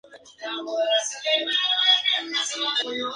El maquinista no lo hizo, provocando el descarrilamiento de la composición.